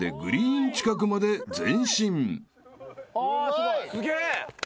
すげえ。